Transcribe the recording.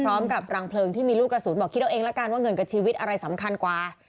กลางเพลิงที่มีลูกกระสุนบอกคิดเอาเองละกันว่าเงินกับชีวิตอะไรสำคัญกว่า